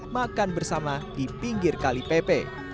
makan bersama di pinggir kalipepe